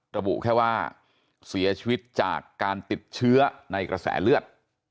ระบุแค่ว่าเสียชีวิตจากการติดเชื้อในกระแสเลือด